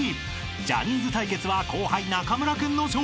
［ジャニーズ対決は後輩中村君の勝利］